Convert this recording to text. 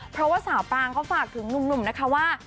เพราะว่าสาวปรางเขาฝากถึงหนุ่มนะคะว่า